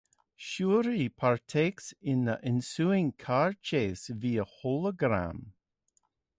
Shuri partakes in the ensuing car chase via hologram.